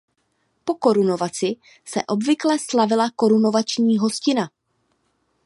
Po korunovaci se obvykle slavila korunovační hostina.